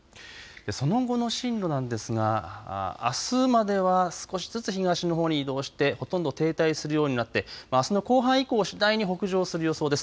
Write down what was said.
その後の進路なんですがあすまでは少しずつ東のほうに移動してほとんど停滞するようになってあすの後半以降、次第に北上する予想です。